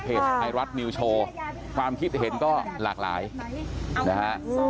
เพจไอรัสนิวโชว์ความคิดเห็นก็หลากหลายนะครับ